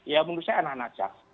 ya menurut saya anak anak cak